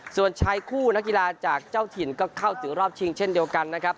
ส่วนชายคู่นักกีฬาจากเจ้าถิ่นก็เข้าถึงรอบชิงเช่นเดียวกันนะครับ